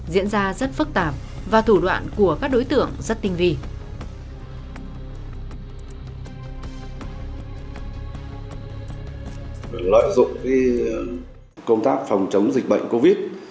diễn ra là một bộ phim